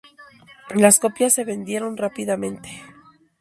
Las copias se vendieron rápidamente.